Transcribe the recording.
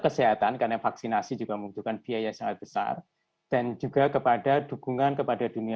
kesehatan karena vaksinasi juga membutuhkan biaya sangat besar dan juga kepada dukungan kepada dunia